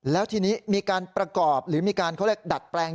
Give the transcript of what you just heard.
แล้วทีนี้มีการประกอบหรือมีการเขาเรียกดัดแปลง